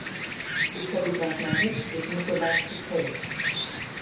He studied mathematics with Nicolas Chuquet.